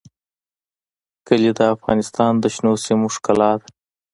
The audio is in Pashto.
کلي د افغانستان د شنو سیمو ښکلا ده.